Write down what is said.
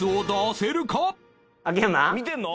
見てるの？